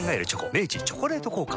明治「チョコレート効果」